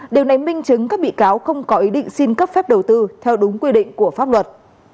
điều này minh chứng các bị cáo không có ý định xin cấp phép đầu tư theo đúng quy định của pháp luật